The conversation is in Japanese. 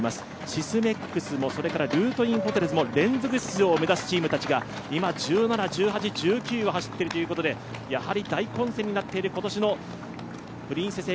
シスメックスもルートインホテルズも連続出場を目指すチームたちが、今、１７、１８、１９を走っていると言うことでやはり大混戦になっている今年のプリンセス